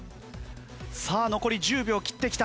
さあ残り１０秒切ってきた。